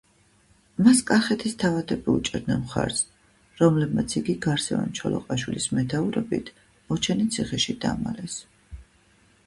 მას კახეთის თავადები უჭერდნენ მხარს, რომლებმაც იგი გარსევან ჩოლოყაშვილის მეთაურობით ოჩანის ციხეში დამალეს.